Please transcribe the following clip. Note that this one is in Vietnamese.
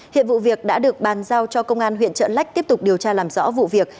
hiện vụ việc đã được bàn giao cho công an huyện trợ lách tiếp tục điều tra làm rõ vụ việc